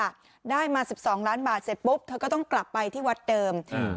ได้มาสิบสองล้านบาทเสร็จปุ๊บเธอก็ต้องกลับไปที่วัดเดิมอืม